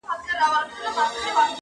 ښکارېدی چي له وطنه لیري تللی.!